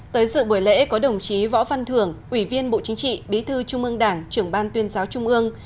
tới dự buổi lễ có đồng chí võ văn thưởng ủy viên bộ chính trị bí thư trung ương đảng trưởng ban tuyên giáo trung ương